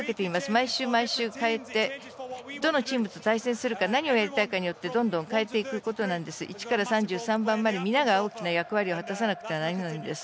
毎週、毎週変えてどのチームと対戦するか何をやりたいかによってどんどん変えて１から３３番までみんなが大きな役割を果たさなきゃいけないんです。